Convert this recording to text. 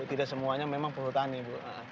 tidak semuanya memang perhutani bu